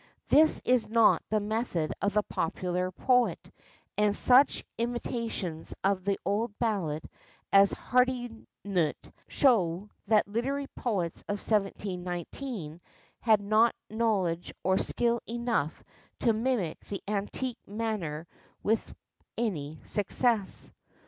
This is not the method of the popular poet, and such imitations of the old ballad as Hardyknute show that literary poets of 1719 had not knowledge or skill enough to mimic the antique manner with any success.